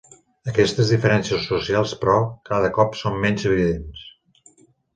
Aquestes diferències socials, però, cada cop són menys evidents.